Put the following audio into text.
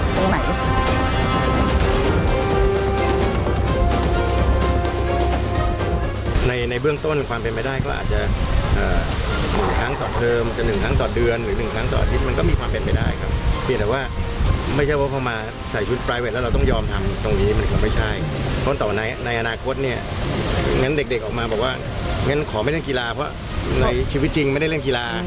มันคืออาจจะเพื่อความเป็นระเบียบหรืออะไรแต่มันเกี่ยวกับผลเอ่อเกี่ยวกับสมองหรืออะไรแต่